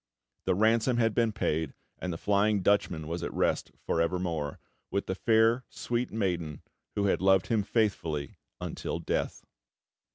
The ransom had been paid; and the Flying Dutchman was at rest for evermore, with the fair, sweet maiden who had loved him faithfully until death!